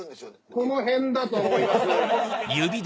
この辺だと思います。